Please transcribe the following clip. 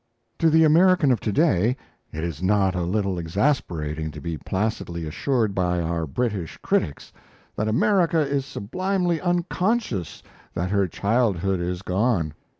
To the American of to day, it is not a little exasperating to be placidly assured by our British critics that America is sublimely unconscious that her childhood is gone.